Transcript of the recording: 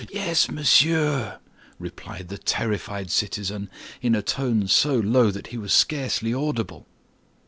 "Yes, monsieur," replied the terrified citizen, in a tone so low that he was scarcely audible.